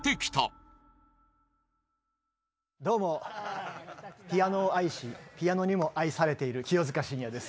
清塚：どうも、ピアノを愛しピアノにも愛されている清塚信也です。